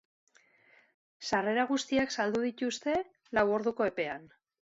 Sarrera guztiak saldu dituzte lau orduko epean.